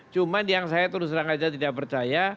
cuman yang saya terus langsung tidak percaya